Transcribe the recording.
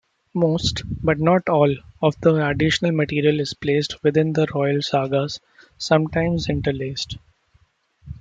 Most-but not all-of the additional material is placed within the royal sagas, sometimes interlaced.